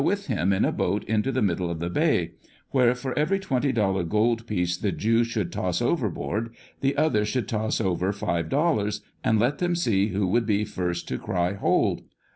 with him in a boat into the middle of the bay, where, for every twenty dollar gold piece the Jew should toss overboard, the other should toss over five dollars, and let them see who would be first to cry " Hold."